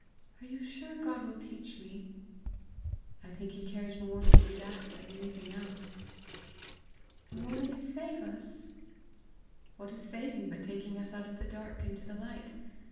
"Are you sure God will teach me?" "I think he cares more to do that than anything else." "More than to save us?" "What is saving but taking us out of the dark into the light?